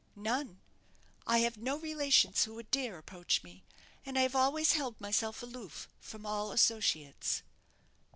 "None. I have no relations who would dare approach me, and I have always held myself aloof from all associates."